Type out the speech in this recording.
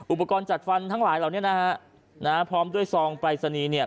อุปกรณ์จัดฟันทั้งหลายเหล่านี้นะคะพร้อมด้วยซองปลายสนี